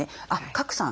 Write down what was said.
賀来さん